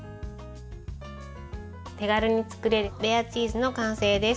手軽に作れるレアチーズの完成です。